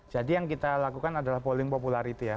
jadi yang kita lakukan adalah polling popularity ya